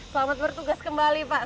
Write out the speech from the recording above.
selamat bertugas kembali pak